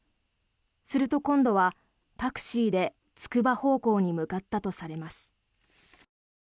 すると今度はタクシーでつくば方向に向かったとされます。